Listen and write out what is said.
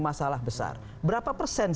beratnya bermasalah besar berapa persen